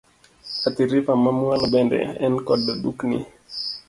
Athi River ma mwalo bende ne en koda dukni.